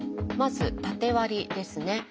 まず縦割りですね。